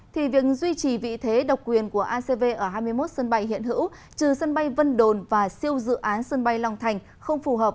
thì việc duy trì vị thế độc quyền của acv ở hai mươi một sân bay hiện hữu trừ sân bay vân đồn và siêu dự án sân bay long thành